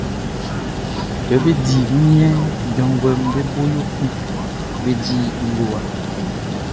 Kɛ bé dí wunmiɛnʼn, janvuɛʼm be bo yo kun be di ngowa.